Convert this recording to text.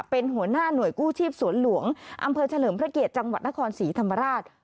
เป็นหัวหน้าหน่วยกู้ชีพสวนหลวงอำเภอเฉลิมพระเกียรติจังหวัดนครศรีธรรมราช